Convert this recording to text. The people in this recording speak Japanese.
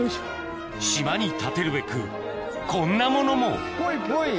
島に建てるべくこんなものもっぽいっぽい。